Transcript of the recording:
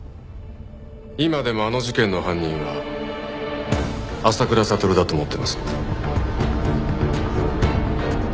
今でもあの事件の犯人は浅倉悟だと思っていますよ。